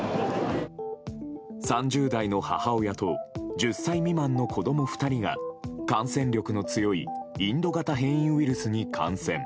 ３０代の母親と１０歳未満の子供２人が感染力の強いインド型変異ウイルスに感染。